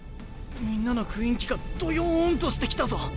みんなの雰囲気がどよんとしてきたぞ。